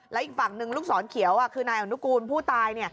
แล้วอีกฝั่งหนึ่งลูกศรเขียวคือนายอนุกูลผู้ตาย